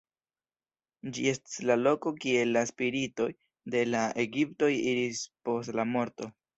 Ĝi estis la loko kie la spiritoj de la egiptoj iris post la morto.